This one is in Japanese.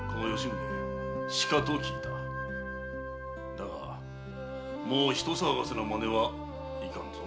だがもう人騒がせなまねはいかんぞ。